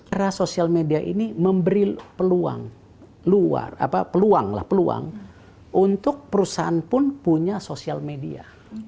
era sosial media ini memberi peluang luar peluang lah peluang untuk perusahaan pun punya sosial media